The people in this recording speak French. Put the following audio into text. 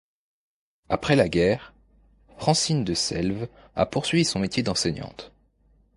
Après la guerre Francine de Selve a poursuivi son métier d'enseignante.